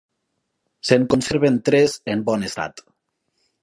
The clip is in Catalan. Se'n conserven tres en bon estat.